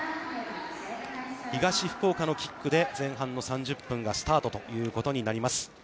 東福岡のキックで前半の３０分がスタートということになります。